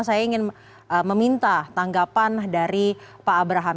saya ingin meminta tanggapan dari pak abraham